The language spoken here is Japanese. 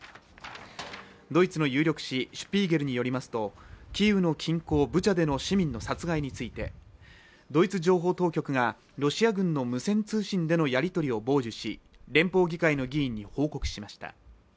ドイツの有力誌「シュピーゲル」によりますとキーウの近郊ブチャでの市民の殺害についてドイツ情報当局がロシア軍の無線通信でのやり取りを傍受し連邦議会の議員に報告しました。